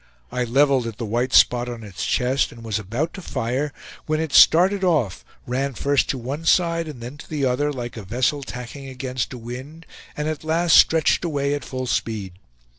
I leveled at the white spot on its chest, and was about to fire when it started off, ran first to one side and then to the other, like a vessel tacking against a wind, and at last stretched away at full speed.